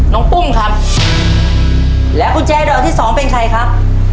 ปุ้มครับแล้วกุญแจดอกที่สองเป็นใครครับ